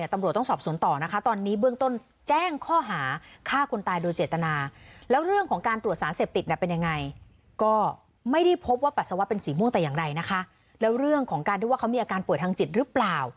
ปัสสาวะเป็นสีม่วงแต่อย่างไรนะคะแล้วเรื่องของการด้วยว่าเขามีอาการป่วยทางจิตหรือเปล่า